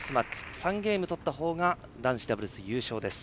３ゲーム取った方が男子ダブルス優勝です。